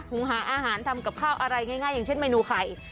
หุงหาอาหารทำกับข้าวอะไรง่ายอย่างเช่นเมนูไข่